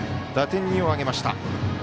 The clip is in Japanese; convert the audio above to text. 打点２を挙げました。